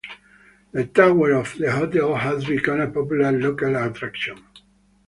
The tower of the hotel has become a popular local attraction.